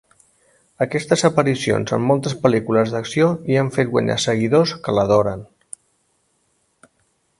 Aquestes aparicions en moltes pel·lícules d'acció li han fet guanyar seguidors que l'adoren.